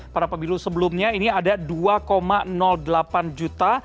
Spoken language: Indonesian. pada pemilu sebelumnya ini ada dua delapan juta